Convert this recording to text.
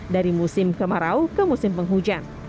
dari musim kemarau ke musim penghujan